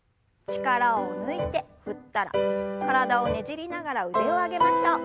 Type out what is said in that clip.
力を抜いて振ったら体をねじりながら腕を上げましょう。